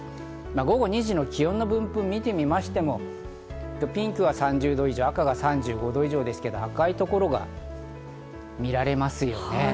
午後２時の気温の分布を見てみましても、ピンクが３０度以上、赤が３５度以上、赤いところが見られますよね。